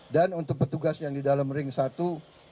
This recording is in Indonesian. dan untuk petugas yang di dalam ring satu